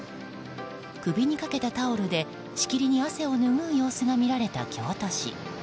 首にかけたタオルでしきりに汗をぬぐう様子が見られた京都市。